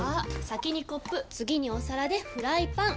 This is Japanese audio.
先にコップ次にお皿でフライパン！